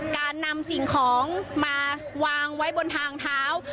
การนำสิ่งของมาวางไว้บนทางเท้า